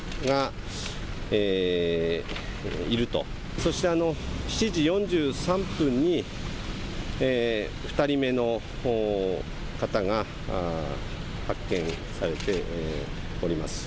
そして、７時４３分に２人目の方が発見されております。